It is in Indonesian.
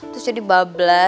terus jadi babla